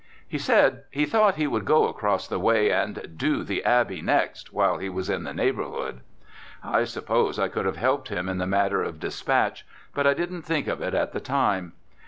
He said he thought he would go across the way and "do" the Abbey next while he was in the neighbourhood. I suppose I could have helped him in the matter of despatch, but I didn't think of it at the time.